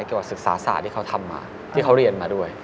เกี่ยวกับศึกษาศาสตร์ที่เขาทำมาที่เขาเรียนมาด้วย